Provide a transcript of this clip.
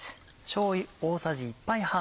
しょうゆ大さじ１杯半。